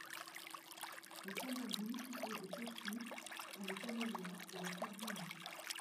Les symboles municipaux de Chōshi sont le camellia et la sardine.